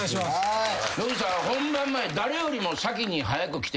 野口さん本番前。